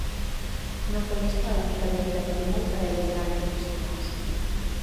Non foi esta a única medida que tomou para eliminar profesionais.